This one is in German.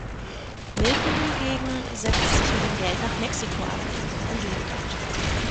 Milton hingegen setzt sich mit dem Geld nach Mexico ab und lebt dort.